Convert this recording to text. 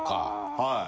はい。